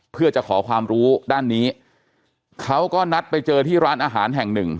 เพื่อจะขอความรู้ด้านนี้เขาก็นัดไปเจอที่ร้านอาหารแห่งหนึ่ง